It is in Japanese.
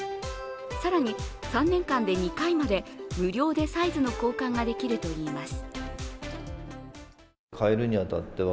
更に３年間で２回まで無料でサイズの交換ができるといいます。